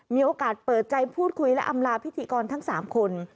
มีโอกาสเปิดใจพูดคุยและอำลาพิธีกรทั้ง๓คน